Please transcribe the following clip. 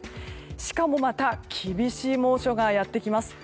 しかもまた厳しい猛暑がやってきます。